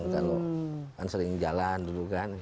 kalau kan sering jalan dulu kan